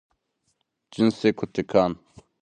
Cinsê Kutikan